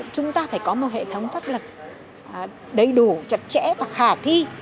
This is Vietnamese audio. chúng ta phải có một hệ thống pháp luật đầy đủ chặt chẽ và khả thi